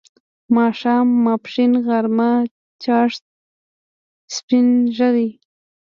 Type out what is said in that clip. ماښام، ماپښین، غرمه، چاښت، سپین ږیری